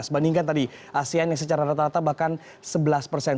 bandingkan tadi asean yang secara rata rata bahkan sebelas persen